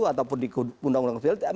ataupun di undang undang sosial